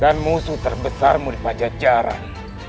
dan musuh terbesarmu di pajajaran